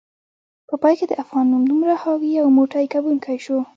په پای کې د افغان نوم دومره حاوي، یو موټی کونکی شو